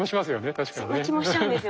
確かに。